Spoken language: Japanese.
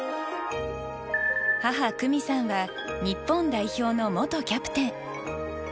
母・久美さんは日本代表の元キャプテン。